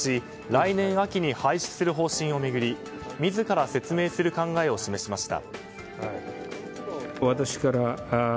来年秋に廃止する方針を巡り自ら説明する考えを示しました。